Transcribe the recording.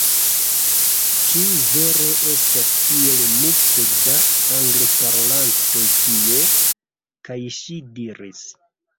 Ĉu vere estas tiel multe da Angleparolantoj tie? kaj ŝi diris: